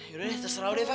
yaudah deh terserah udah fah